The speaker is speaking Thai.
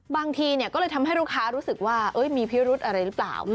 บางทีก็เลยทำให้ลูกค้ารู้สึกว่ามีพิรุธอะไรหรือเปล่า